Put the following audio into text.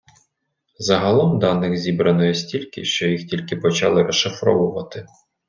Загалом даних зібрано стільки, що їх тільки почали розшифровувати.